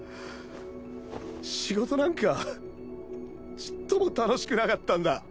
仕事なんかちっとも楽しくなかったんだ。